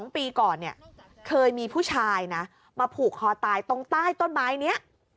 ๒ปีก่อนเนี่ยเคยมีผู้ชายนะมาผูกคอตายตรงใต้ต้นไม้นี้